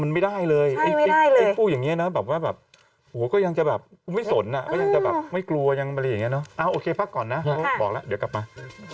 ติดี้ได้เลยกูอย่างเนี่ยเนาะแบบว่าแบบกูก็ยังจะแบบไม่สนอ่ะกูยังจะแบบไม่กลว่ายังระลีย์เนี่ยเนาะเอาโอเคพักก่อนนะอะบอกละเดี๋ยวกลับมา